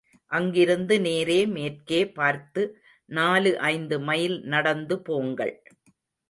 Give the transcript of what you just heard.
அங்கிருந்து நேரே மேற்கே பார்த்து நாலு ஐந்து மைல் நடந்து போங்கள்.